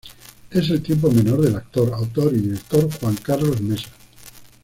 Es el hermano menor del actor, autor y director Juan Carlos Mesa.